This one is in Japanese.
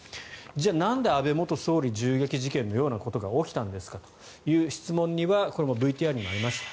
じゃあ、なんで安倍元総理銃撃事件のようなことが起きたんですかという質問にはこれもＶＴＲにもありました。